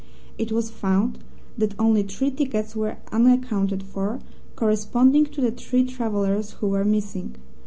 It was found that only three tickets were unaccounted for, corresponding to the three travellers who were missing.